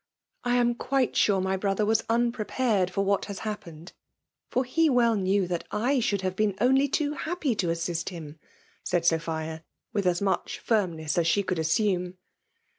'''* I am quite sure my brother was unpre pared for what has happened ; for he well knew that / should have been only too happy to assist him>'' said Sophia^ with as much firm ness as she could assume.